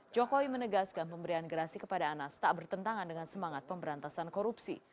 jokowi menegaskan pemberian gerasi kepada anas tak bertentangan dengan semangat pemberantasan korupsi